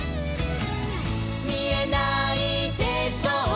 「みえないでしょう